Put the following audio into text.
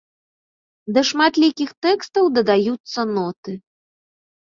Да шматлікіх тэкстаў дадаюцца ноты.